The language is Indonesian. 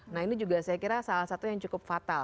nah ini juga saya kira salah satu yang cukup fatal